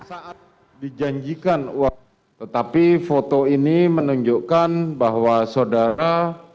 saat dijanjikan uang tetapi foto ini menunjukkan bahwa saudara